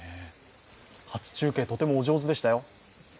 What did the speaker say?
初中継、とてもお上手でしたよ。